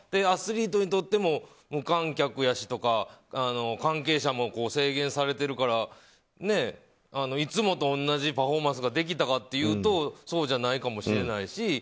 アスリートにとっても無観客やしとか関係者も制限されているからいつもと同じパフォーマンスができたかっていうとそうじゃないかもしれないし。